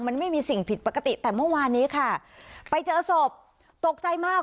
มันไม่มีสิ่งผิดปกติแต่เมื่อวานนี้ค่ะไปเจอศพตกใจมาก